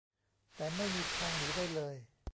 แต่ไม่มีทางหนีได้เลย